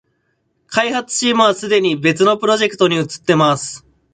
開発チームはすでに別のプロジェクトに移ってます